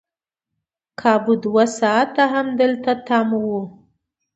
کابو دوه ساعته همدلته تم وو.